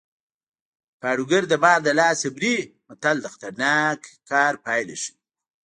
پاړوګر د مار له لاسه مري متل د خطرناک کار پایله ښيي